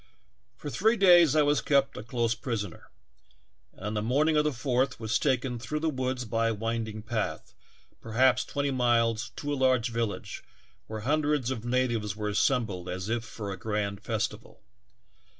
" For three days I was kept a close prisoner, and on the morning of the fourth was taken through the woods by a winding path, perhaps twenty miles, to a large village, where hundreds of natives were assembled as if for a grand festival.